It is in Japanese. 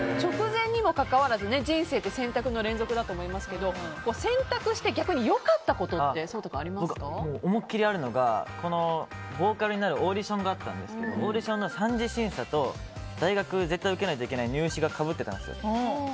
人生って選択の連続だと思いますけど選択して逆に良かったことって僕、思いっきりあるのがボーカルになるオーディションがあったんですけどオーディションの３次審査と大学の入試がかぶってたんです。